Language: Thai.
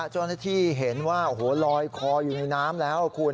เจ้าหน้าที่เห็นว่าโอ้โหลอยคออยู่ในน้ำแล้วคุณ